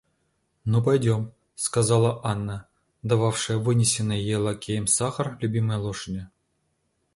Ну, пойдем, — сказала Анна, дававшая вынесенный ей лакеем сахар любимой лошади.